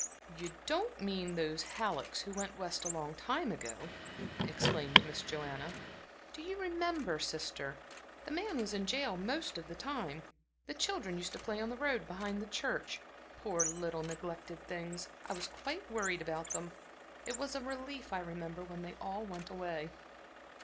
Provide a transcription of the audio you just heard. "You don't mean those Hallecks who went West a long time ago?" exclaimed Miss Joanna. "Do you remember, sister? the man was in jail the most of the time. The children used to play on the road behind the church poor little neglected things, I was quite worried about them. It was a relief, I remember, when they all went away."